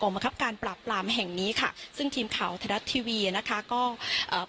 บังคับการปราบปรามแห่งนี้ค่ะซึ่งทีมข่าวไทยรัฐทีวีนะคะก็เอ่อ